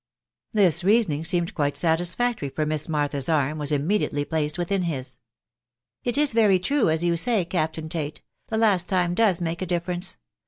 This reasoning seemed quite satisfactory for Miss Martha's arti was immediately placed within his. " It is very true, as you say, Captain Tate ; the last time does make a difference.